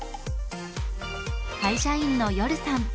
会社員のヨルさん。